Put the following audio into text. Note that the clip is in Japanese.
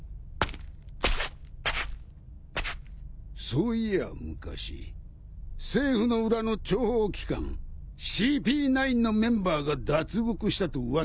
そういや昔政府の裏の諜報機関ＣＰ９のメンバーが脱獄したと噂を聞いた。